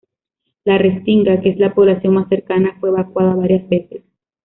La Restinga, que es la población más cercana, fue evacuada varias veces.